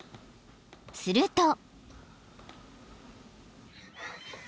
［すると］